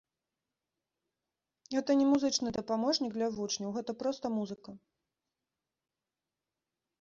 Гэта не музычны дапаможнік для вучняў, гэта проста музыка.